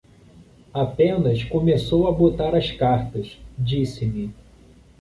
Apenas começou a botar as cartas, disse-me: